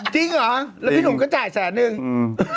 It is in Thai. จริงเหรอแล้วพี่หนุ่มก็จ่ายแสนนึงอืม